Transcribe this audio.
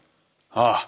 ああ。